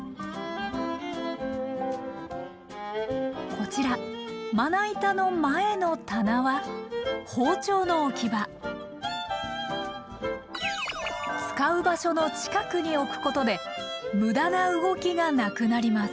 こちらまな板の前の棚は包丁の置き場使う場所の近くに置くことで無駄な動きがなくなります